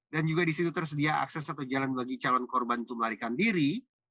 dan juga disitu tersedia akses atau jalan bagi calon korban untuk melarikan diri